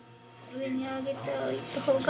上に上げておいたほうが。